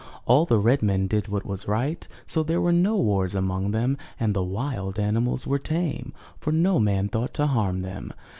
All the red men did what was right, so there were no wars among them, and the wild animals were tame, for no man thought to harm them.